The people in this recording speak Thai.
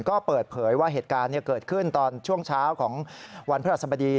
ก็เปิดเผยว่าเหตุการณ์เกิดขึ้นตอนช่วงเช้าของวันพระราชสมดี